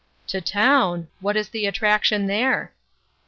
" To town ? What is the attraction there